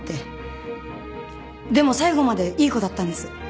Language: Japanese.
でも最後までいい子だったんです。